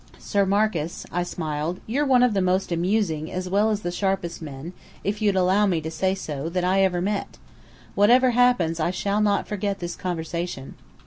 "Sir Marcus," I smiled, "you're one of the most amusing as well as the sharpest men, if you'll allow me to say so, that I ever met. Whatever happens I shall not forget this conversation."